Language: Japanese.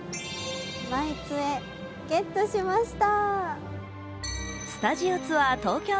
マイつえ、ゲットしました。